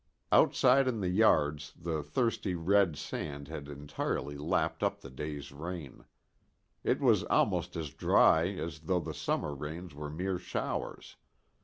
Outside in the yards the thirsty red sand had entirely lapped up the day's rain. It was almost as dry as though the summer rains were mere showers.